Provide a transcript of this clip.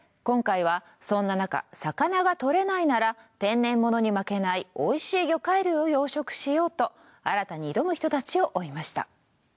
今回はそんななか魚が獲れないなら天然ものに負けないおいしい魚介類を養殖しようと新たに挑む人たちを追いました。